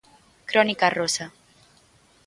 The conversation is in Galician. Crónica rosa.